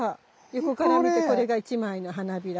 横から見てこれが一枚の花びら。